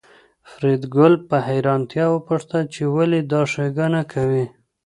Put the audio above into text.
فریدګل په حیرانتیا وپوښتل چې ولې دا ښېګڼه کوې